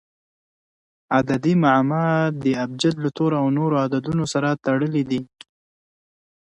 عددي معما د ابجد له تورو او نورو عددونو سره تړلي دي.